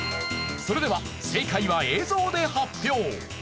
それでは正解は映像で発表。